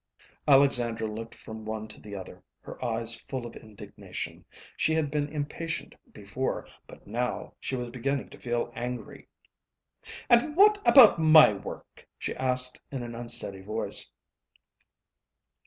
Alexandra looked from one to the other, her eyes full of indignation. She had been impatient before, but now she was beginning to feel angry. "And what about my work?" she asked in an unsteady voice.